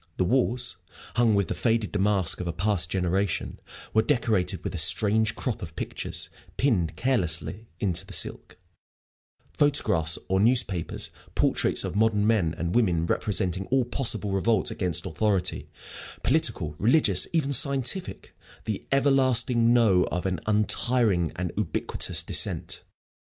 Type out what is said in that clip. The walls, hung with the faded damask of a past generation, were decorated with a strange crop of pictures pinned carelessly into the silk photographs or newspaper portraits of modern men and women representing all possible revolt against authority, political, religious, even scientific, the Everlasting No of an untiring and ubiquitous dissent.